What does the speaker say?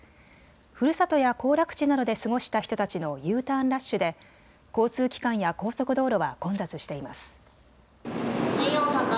ふるさとや行楽地などで過ごした人たちのＵターンラッシュで交通機関や高速道路は混雑しています。